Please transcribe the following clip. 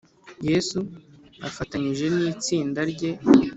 yesu afatanyije n’itsinda rye